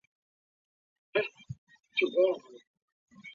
若没被记录下来